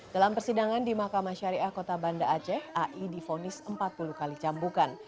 dalam persidangan di makamah syariah kota banda aceh ai difonis empat puluh kali cambukan